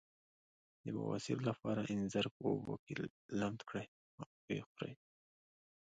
د بواسیر لپاره انځر په اوبو کې لمد کړئ او وخورئ